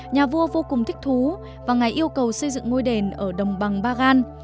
nhà vua vô cùng thích thú và ngài yêu cầu xây dựng ngôi đền ở đồng bằng bagan